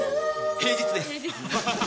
平日です。